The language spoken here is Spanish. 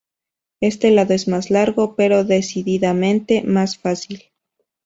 Este lado es más largo, pero decididamente más fácil.